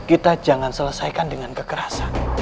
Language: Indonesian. kita jangan selesaikan dengan kekerasan